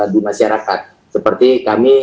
di masyarakat seperti kami